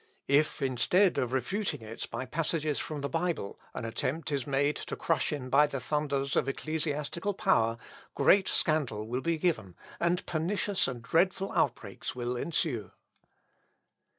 If, instead of refuting it by passages from the Bible, an attempt is made to crush him by the thunders of ecclesiastical power, great scandal will be given, and pernicious and dreadful outbreaks will ensue."